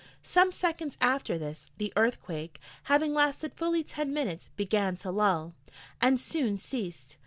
Some seconds after this, the earthquake, having lasted fully ten minutes, began to lull, and soon ceased.